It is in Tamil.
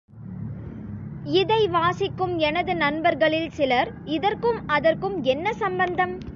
இதை வாசிக்கும் எனது நண்பர்களில் சிலர், இதற்கும் அதற்கும் என்ன சம்பந்தம்?